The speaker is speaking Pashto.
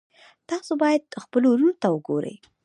تاسو باید خپلو وروڼو ته وګورئ.